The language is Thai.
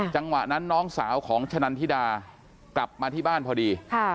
จังหวะนั้นน้องสาวของชะนันทิดากลับมาที่บ้านพอดี